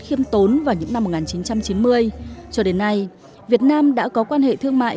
khiêm tốn vào những năm một nghìn chín trăm chín mươi cho đến nay việt nam đã có quan hệ thương mại